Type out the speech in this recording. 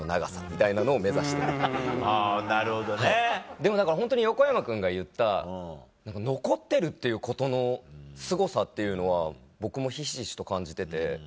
でもだからホントに横山君が言った残ってるっていうことのすごさっていうのは僕もひしひしと感じてて。